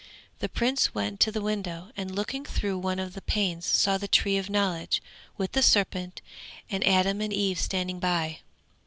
The Prince went to the window, and looking through one of the panes saw the Tree of Knowledge, with the Serpent, and Adam and Eve standing by.